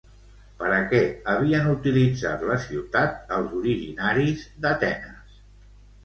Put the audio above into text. Per a què havien utilitzat la ciutat els originaris d'Atenes?